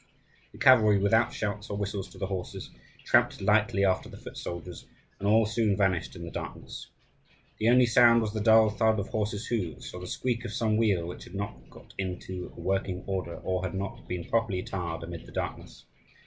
The cavalry, without shouts or whistles to the horses, tramped lightly after the foot soldiers, and all soon vanished in the darkness. The only sound was the dull thud of horses' hoofs, or the squeak of some wheel which had not got into working order, or had not been properly tarred amid the darkness.